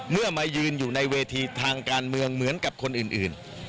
มายืนอยู่ในเวทีทางการเมืองเหมือนกับคนอื่น